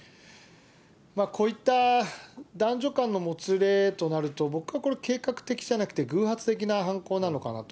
こういった男女間のもつれとなると、僕はこれ、計画的じゃなくて、偶発的な犯行なのかなと。